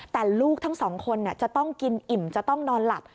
แต่ลูกทั้งสองคนจะต้องกินอิ่มจะต้องนอนหลับ